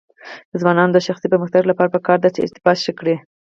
د ځوانانو د شخصي پرمختګ لپاره پکار ده چې ارتباط ښه کړي.